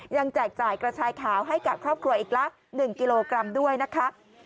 แจกจ่ายกระชายขาวให้กับครอบครัวอีกละ๑กิโลกรัมด้วยนะคะ